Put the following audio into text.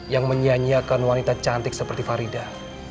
yang menyanyiakan wanita cantik seperti farida